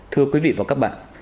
thưa quý vị và các bạn